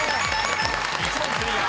［１問クリア！